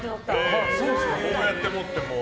こうやって持ってもう。